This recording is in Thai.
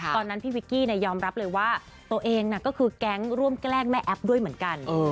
ตอนนั้นพี่วิกกี้ยอมรับเลยว่าตัวเองก็คือแก๊งร่วมแกล้งแม่แอ๊บด้วยเหมือนกัน